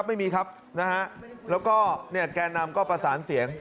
จะไปตกอยู่ที่พักเพื่อไทย